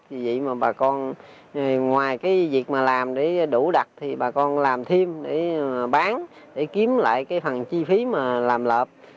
vì vậy mà bà con ngoài cái việc mà làm để đủ đặt thì bà con làm thêm để bán để kiếm lại cái phần chi phí mà làm lợp